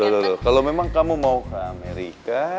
loh loh loh kalo memang kamu mau ke amerika